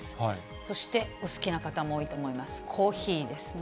そしてお好きな方も多いと思います、コーヒーですね。